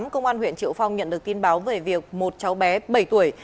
công an huyện triệu phong nhận được tin báo về việc một cháu bé bảy tuổi